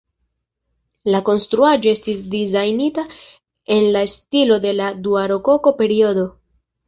La konstruaĵo estis dizajnita en la stilo de la dua rokoko-periodo.